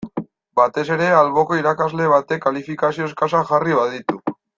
Batez ere alboko irakasle batek kalifikazio eskasak jarri baditu.